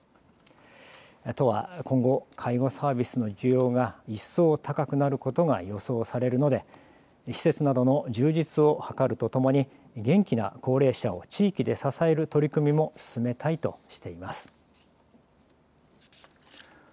都は今後、介護サービスの需要が一層高くなることが予想されるので施設などの充実を図るとともに元気な高齢者を地域で支える取り組みも進めたいとしています。